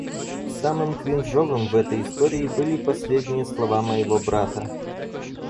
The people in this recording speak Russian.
Самым кринжовым в этой истории были последние слова моего брата.